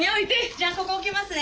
じゃあここ置きますね。